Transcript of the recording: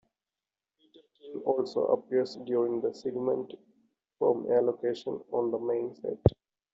Peter King also appears during the segment from a location on the main set.